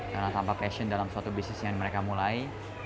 karena tanpa passion dalam suatu bisnis yang mereka mulai